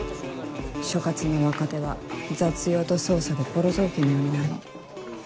所轄の若手は雑用と捜査でボロ雑巾のようになるの。